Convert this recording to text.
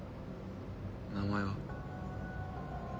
名前は？